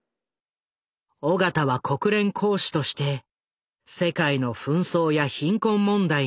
緒方は国連公使として世界の紛争や貧困問題に取り組んでいた。